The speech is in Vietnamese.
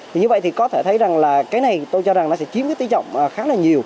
thì như vậy thì có thể thấy rằng là cái này tôi cho rằng nó sẽ chiếm cái tỷ trọng khá là nhiều